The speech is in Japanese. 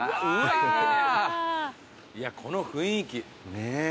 いやこの雰囲気。